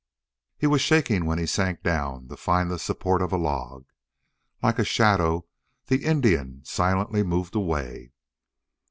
He was shaking when he sank down to find the support of a log. Like a shadow the Indian silently moved away.